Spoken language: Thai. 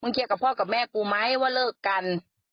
มึงให้กูเป็นข่าวดุ่งดังทั่วอำเภอหรอ